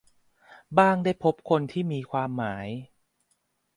บ้างได้พบคนที่มีความหมาย